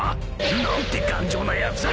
［何て頑丈なやつ！］